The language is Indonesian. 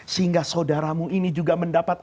sehingga saudaramu ini juga mendapat